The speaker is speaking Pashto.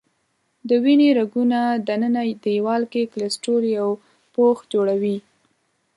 د وینې رګونو دننه دیوال کې کلسترول یو پوښ جوړوي.